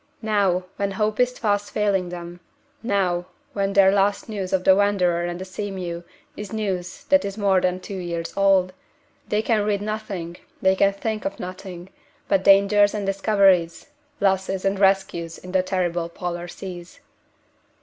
Now, when hope is fast failing them now, when their last news of the Wanderer and the Sea mew is news that is more than two years old they can read of nothing, they can think of nothing, but dangers and discoveries, losses and rescues in the terrible Polar seas.